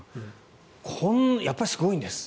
やっぱりすごいんです。